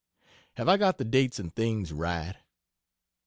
Have I got the dates and things right?